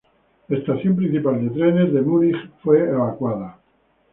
La estación principal de trenes de Múnich fue evacuada.